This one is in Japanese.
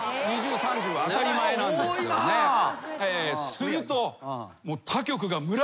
すると。